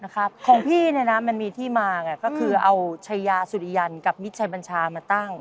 ของพี่มันมีที่มาไงก็คือเอาชายาสุริยันกับมิตรชัยบัญชามาตั้ง